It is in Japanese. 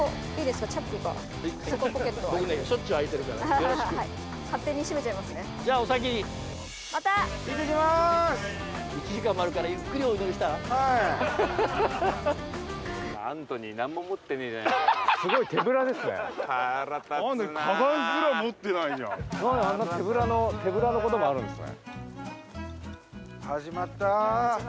なにあんな手ぶらのこともあるんですね。